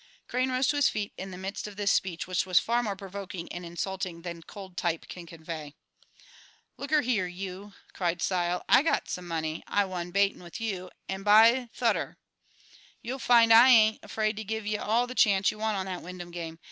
Crane rose to his feet in the midst of this speech, which was far more provoking and insulting than cold type can convey. "Looker here, yeou," cried Sile; "I've got some money I won batin' with you, and, by thut ter! you'll find I ain't afraid to give ye all the chance you want on that Wyndham game.